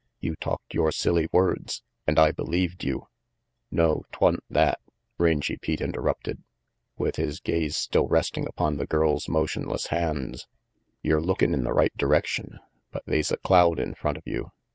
You talked your silly words, and I believed you "No, 'twa'n't that," Rangy Pete interrupted, with his gaze still resting upon the girl's motionless hands. "Yer lookin' in the right direction, but they's a cloud in front of you.